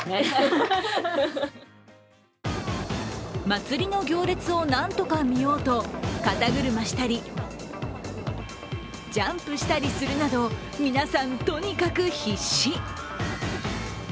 まつりの行列を何とか見ようと肩車したり、ジャンプしたりするなど、皆さんとにかく必死。